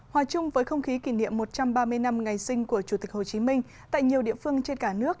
hòa chung với không khí kỷ niệm một trăm ba mươi năm ngày sinh của chủ tịch hồ chí minh tại nhiều địa phương trên cả nước